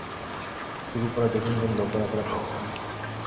টুপিপরা দু-তিন জন লোক ঘোরাফেরা করছে।